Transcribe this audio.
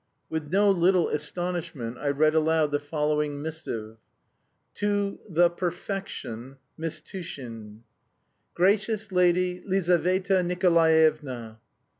With no little astonishment I read aloud the following missive: "To the Perfection, Miss Tushin. "Gracious Lady "Lizaveta Nikolaevna!